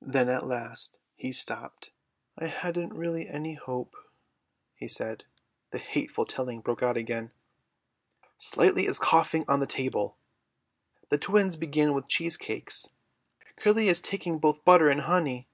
Then at last he stopped. "I hadn't really any hope," he said. The hateful telling broke out again. "Slightly is coughing on the table." "The twins began with cheese cakes." "Curly is taking both butter and honey."